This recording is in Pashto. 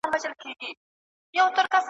خدایه بیا به کله وینم خپل رنګین بیرغ منلی ,